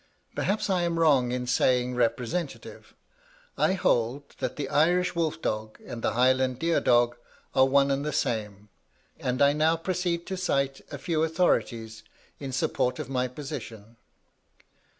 Perhaps I am wrong in saying representative. I hold that the Irish wolf dog and the Highland deer dog are one and the same, and I now proceed to cite a few authorities in support of my position.